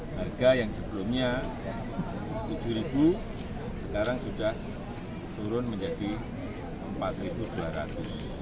harga yang sebelumnya rp tujuh sekarang sudah turun menjadi rp empat dua ratus